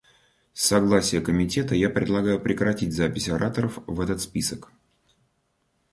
С согласия Комитета, я предлагаю прекратить запись ораторов в этот список.